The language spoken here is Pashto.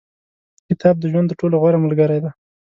• کتاب، د ژوند تر ټولو غوره ملګری دی.